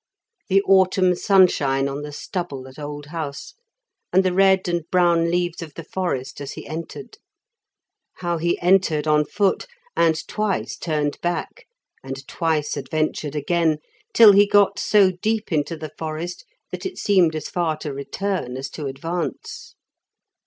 the autumn sunshine on the stubble at Old House, and the red and brown leaves of the forest as he entered; how he entered on foot, and twice turned back, and twice adventured again, till he got so deep into the forest that it seemed as far to return as to advance.